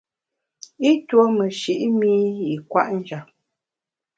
I tuo meshi’ mi i kwet njap.